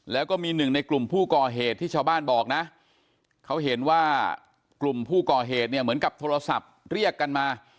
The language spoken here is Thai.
แล้วก็มีหนึ่งในกลุ่มผู้ก่อเหตุที่ชาวบ้านบอกนะเขาเห็นว่ากลุ่มผู้ก่อเหตุเนี่ยเหมือนกับโทรศัพท์เรียกกันมา